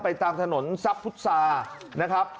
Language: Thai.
ตามถนนทรัพย์พุษานะครับ